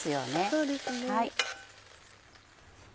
そうですね。